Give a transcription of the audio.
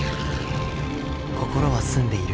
「心は澄んでいる。